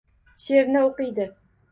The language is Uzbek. Sheʼrni oʼqiydi.